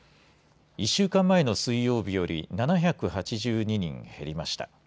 １週間前の水曜日より７８２人減りました。